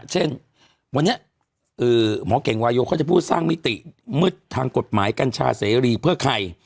เช่นวันนี้หมอเก่งวายโยเขาจะพูดสร้างมิติมืดทางกฎหมายกัญชาเสรีเพื่อใคร